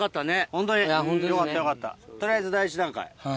ホントによかったよかった取りあえず第一段階。